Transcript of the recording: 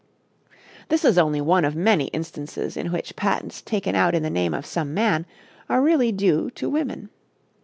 This is only one of many instances in which patents, taken out in the name of some man, are really due to women.